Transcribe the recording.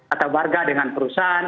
atau warga dengan perusahaan